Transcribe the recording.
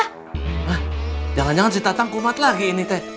hah jangan jangan si tatang kumat lagi ini teh